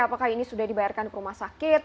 apakah ini sudah dibayarkan ke rumah sakit